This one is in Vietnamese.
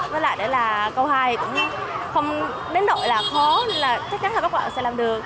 với lại là câu hai cũng không đến đội là khó nên là chắc chắn là các bạn sẽ làm được